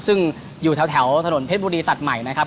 ซึ่งอยู่แถวถนนเพชรบุรีตัดใหม่นะครับ